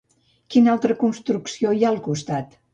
Quina altra construcció hi ha al costat?